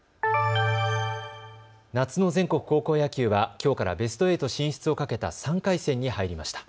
夏の全国高校野球はきょうからベスト８進出をかけた３回戦に入りました。